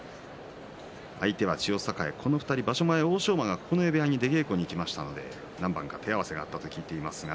相手は千代栄、この２人場所前は欧勝馬が九重部屋に出稽古に行きましたので何番か手合わせがあったと聞いています。